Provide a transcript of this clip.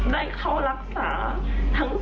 ได้เข้ารักษาทั้ง๓คน